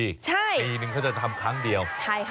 ใช่ใช่ค่ะถูกต้องปีนึงเขาจะทำครั้งเดียว